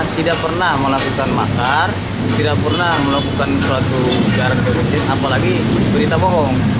tidak pernah melakukan makar tidak pernah melakukan suatu syarat korupsi apalagi berita bohong